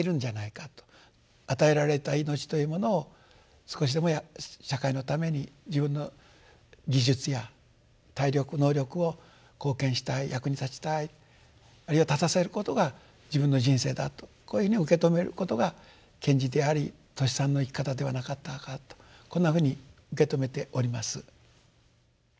与えられた命というものを少しでも社会のために自分の技術や体力能力を貢献したい役に立ちたいあるいは立たせることが自分の人生だとこういうふうに受け止めることが賢治でありトシさんの生き方ではなかったかとこんなふうに受け止めております。